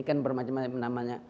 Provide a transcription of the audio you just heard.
kan bermacam macam namanya